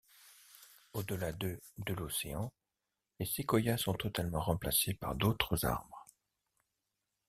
Au-delà de de l'océan, les séquoias sont totalement remplacés par d'autres arbres.